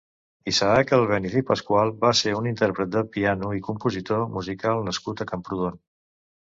Isaac Albéniz i Pascual va ser un intèrpret de piano i compositor musical nascut a Camprodon.